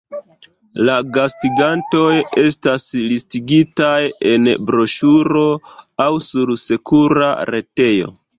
La gastigantoj estas listigitaj en broŝuro aŭ sur sekura retejo.